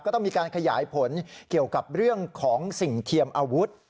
ต้องมีการขยายผลเกี่ยวกับเรื่องของสิ่งเทียมอาวุธ